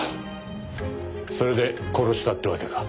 それで殺したってわけか。